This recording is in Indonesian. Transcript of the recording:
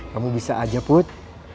kamu bisa aja put